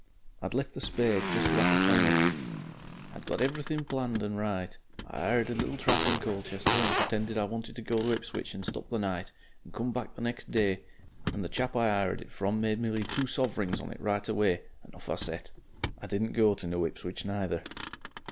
"I'd left the spade just where I could find it. I'd got everything planned and right. I 'ired a little trap in Colchester, and pretended I wanted to go to Ipswich and stop the night, and come back next day, and the chap I 'ired it from made me leave two sovrings on it right away, and off I set. "I didn't go to no Ipswich neither.